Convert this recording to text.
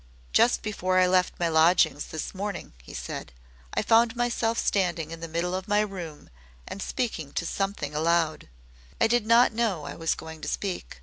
"Just before I left my lodgings this morning," he said, "I found myself standing in the middle of my room and speaking to Something aloud. I did not know I was going to speak.